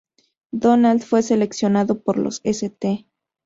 Donald fue seleccionado por los St.